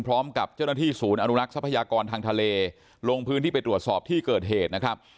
พร้อมกับเจ้าหน้าที่ศูนย์อนุรักษ์ทรัพยากรทางทะเลลงพื้นที่ไปตรวจสอบที่เกิดเหตุนะครับ